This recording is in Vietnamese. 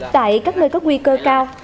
tại các nơi có nguy cơ cao